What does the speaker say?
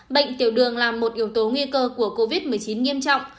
bệnh tiểu đường là một yếu tố nguy cơ của covid một mươi chín nghiêm trọng